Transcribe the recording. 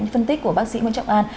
phân tích của bác sĩ nguyễn trọng an